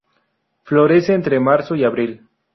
Florece entre marzo y abril.